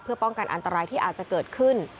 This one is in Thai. เพื่อป้องกันอันตรายที่อาจจะเกิดขึ้น